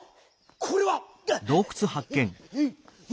これは！